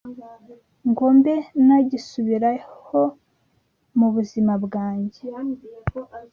ngo mbe nagisubiraho mu buzima bwanjye